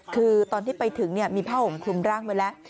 คือตอนที่ไปถึงมีผ้าห่มคลุมร่างไว้แล้ว